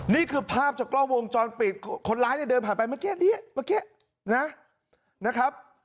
นี่คือภาพจากกล้องวงจรปิดคนร้ายเนี่ยเดินผ่านไปเมื่อกี้นี้เมื่อกี้นะครับ